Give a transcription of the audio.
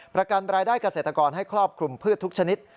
ประกันรายได้เกษตรกรให้ครอบคลุมพืชทุกชนิด